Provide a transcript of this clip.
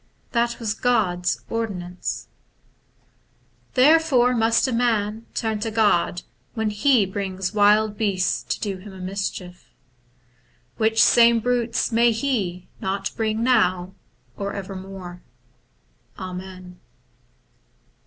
That was God's ordinance. 266 THE BOOK OF WERE WOLVES. Therefore must man turn to God when He brings wild beasts to do him a mischief: which same brutes may He not bring now or evermore. Amen.'